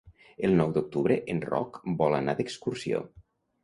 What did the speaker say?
El nou d'octubre en Roc vol anar d'excursió.